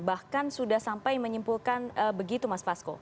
bahkan sudah sampai menyimpulkan begitu mas fasko